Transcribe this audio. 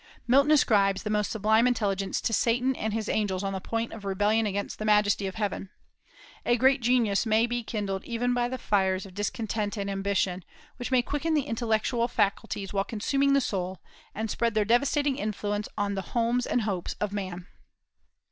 Milton ascribes the most sublime intelligence to Satan and his angels on the point of rebellion against the majesty of Heaven. A great genius may be kindled even by the fires of discontent and ambition, which may quicken the intellectual faculties while consuming the soul, and spread their devastating influence on the homes and hopes of man.